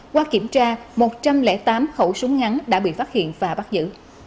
qua kiểm tra một trăm linh tám khẩu súng ngắn đã bị phát hiện và bắt giữ